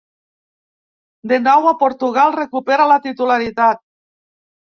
De nou a Portugal, recupera la titularitat.